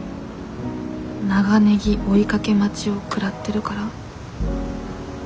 長ネギ追いかけ待ちを食らってるから？